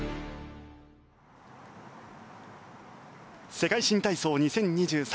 世界新体操２０２３。